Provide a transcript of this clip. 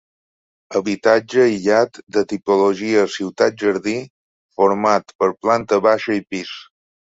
Habitatge aïllat de tipologia ciutat-jardí format per planta baixa i pis.